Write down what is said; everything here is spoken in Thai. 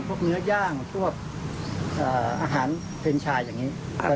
พวกเนื้อย่างพวกอาหารเพนชายอย่างนี้